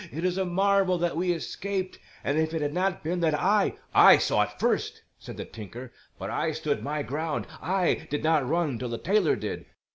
"It is a marvel that we escaped and if it had not been that I " "I saw it first," said the tinker; "but I stood my ground. I did not run till the tailor did."